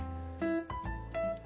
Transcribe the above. あ